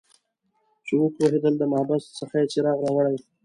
چې وپوهیدل د محبس څخه یې څراغ راوړي